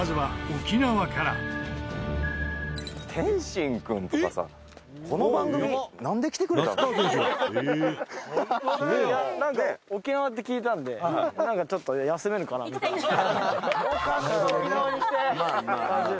「沖縄って聞いたんでなんか、ちょっと休めるかなみたいな」